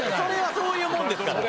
そういうもんですから。